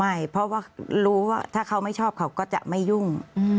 ไม่เพราะว่ารู้ว่าถ้าเขาไม่ชอบเขาก็จะไม่ยุ่ง